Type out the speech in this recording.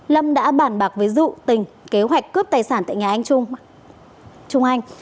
lâm đã bản bạc với dụ tình kế hoạch cướp tài sản tại nhà anh trung anh